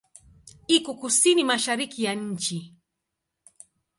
Iko kusini-mashariki ya nchi.